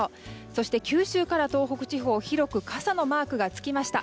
そして、九州から東北地方広く傘のマークがつきました。